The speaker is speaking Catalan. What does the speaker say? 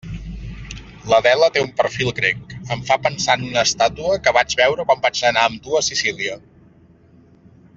L'Adela té un perfil grec, em fa pensar en una estàtua que vaig veure quan vaig anar amb tu a Sicília.